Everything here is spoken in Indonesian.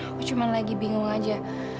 aku cuma lagi bingung aja